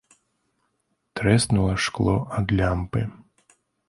Трэснула шкло ад лямпы.